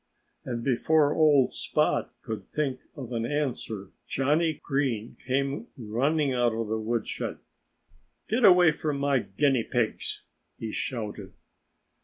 And before old Spot could think of an answer, Johnnie Green came running out of the woodshed. "Get away from my guinea pigs!" he shouted.